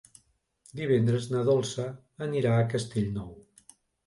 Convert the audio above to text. Divendres na Dolça anirà a Castellnou.